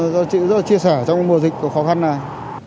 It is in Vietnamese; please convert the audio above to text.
rất là chia sẻ trong mùa dịch khó khăn này